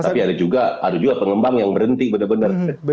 tapi ada juga pengembang yang berhenti benar benar